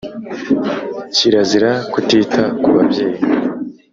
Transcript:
kirazira kutita kubabyeyi